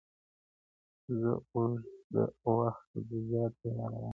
زه اوږده وخت سبزېجات تياروم وم!